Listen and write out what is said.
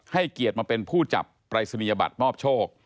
ให้เกียรติมาเป็นผู้จับปรายศนียบัตรมอบโชค